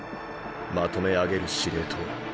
まとめ上げる司令塔。